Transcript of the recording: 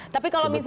tapi kalau misalnya